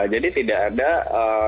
jadi tidak ada indikasi pemberian kipi